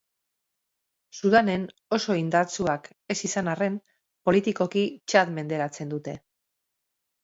Sudanen oso indartsuak ez izan arren, politikoki Txad menderatzen dute.